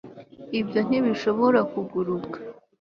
ibyo ntibishobora kuguruka